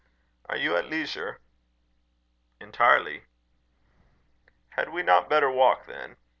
"Are you at leisure?" "Entirely." "Had we not better walk, then?